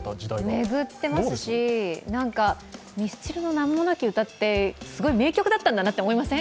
巡ってますし、ミスチルの「名もなき詩」って名曲だったんだなって思いません？